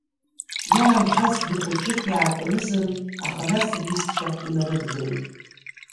Иаанхазгьы хәыҷык иаакәанызанын, аха нас рҩызцәа инарылагылеит.